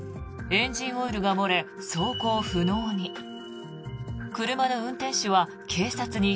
エンジンオイルが漏れ走行不能に。